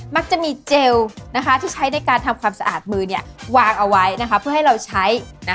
มักจะมีเจลที่ใช้ในการทำความสะอาดมือวางเอาไว้เพื่อให้เราใช้